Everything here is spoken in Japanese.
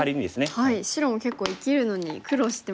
これは白も結構生きるのに苦労してますね。